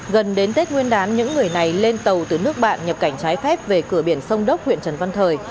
gần đến tết nguyên đán những người này lên tàu từ nước bạn nhập cảnh trái phép về cửa biển sông đốc huyện trần văn thời